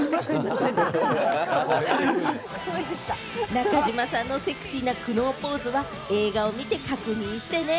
中島さんのセクシーな苦悩ポーズは映画を見て確認してね。